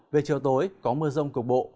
về chiều tối có mưa rông cục bộ